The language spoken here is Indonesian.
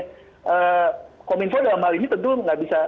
kominfo dalam hal ini tentu nggak bisa